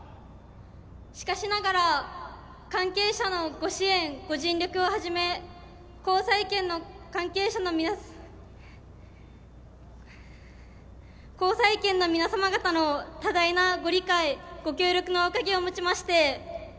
しかしながら、関係者のご支援・ご尽力をはじめ後催県の皆様方の多大なご理解・ご協力のおかげをもちまして。